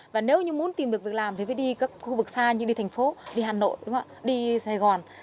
và nếu như muốn tìm được việc làm thì phải đi các khu vực xa như đi thành phố đi hà nội đi sài gòn